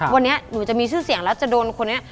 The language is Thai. วันนี้หนูจะมีชื่อเสียงแล้วจะโดนคนนี้